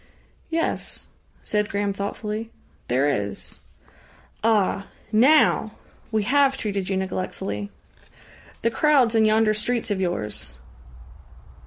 "Yes," said Graham thoughtfully. "There is." "Ah! Now! We have treated you neglectfully." "The crowds in yonder streets of yours."